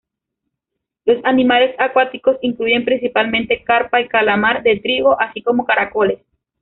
Los animales acuáticos incluyen principalmente carpa y calamar de trigo, así como caracoles.